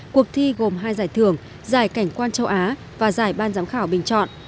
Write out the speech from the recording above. cuộc thi gồm hai giải thưởng giải cảnh quan châu á và giải ban giám khảo bình chọn